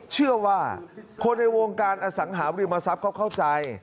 เชื่อว่าคนในวงการอสังหาริมทรัพย์เขาเข้าใจ